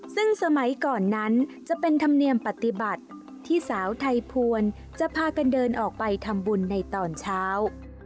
ซึ่งสมัยก่อนนั้นจะเป็นธรรมเนียมปฏิบัติที่สาวไทยพวนจะพากันเดินออกไปทำบุญในตอนเช้า